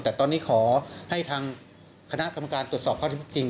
แต่ตอนนี้ขอให้ทางคณะกรรมการตรวจสอบข้อที่จริง